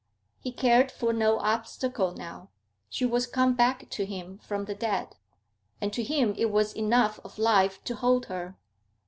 He cared for no obstacle now. She was come back to him from the dead, and to him it was enough of life to hold her.